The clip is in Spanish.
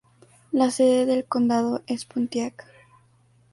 La sede del condado es Pontiac.